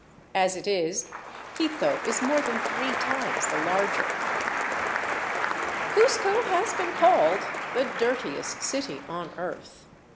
As it is, Quito is more than three times the larger. Cuzco has been called the dirtiest city on earth.